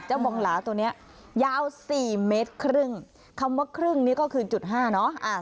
บองหลาตัวเนี้ยยาวสี่เมตรครึ่งคำว่าครึ่งนี่ก็คือจุดห้าเนอะ